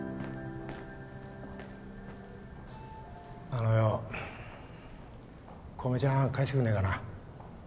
あのよ小梅ちゃん返してくんねぇかな。